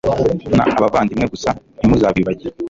n abavandimwe gusa ntimuzabibagirwe